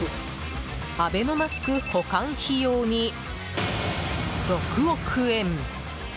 アベノマスク保管費用に６億円。